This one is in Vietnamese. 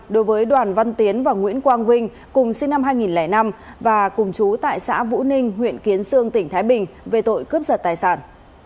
đối với đoàn văn tiến và nguyễn quang vinh cùng sinh năm hai nghìn năm và cùng chú tại xã vũ ninh huyện kiến sương tỉnh thái bình về tội cướp giật tài sản